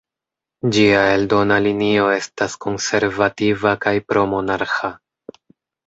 Ĝia eldona linio estas konservativa kaj pro-monarĥa.